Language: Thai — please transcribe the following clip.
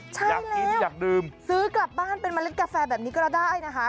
ใช่เลยซื้อกลับบ้านเป็นเมล็ดกาแฟแบบนี้ก็ได้นะคะ